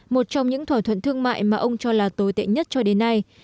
một trong những thỏa thuận thương mại mà ông cho là tồi tệ nhất cho đến nay